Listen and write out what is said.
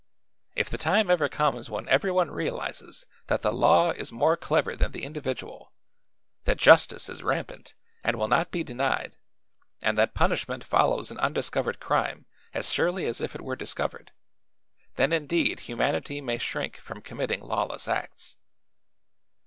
If the time ever comes when everyone realizes that the law is more clever than the individual, that justice is rampant and will not be denied and that punishment follows an undiscovered crime as surely as if it were discovered, then indeed humanity may shrink from committing lawless acts.